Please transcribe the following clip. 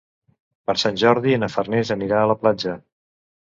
Per Sant Jordi na Farners anirà a la platja.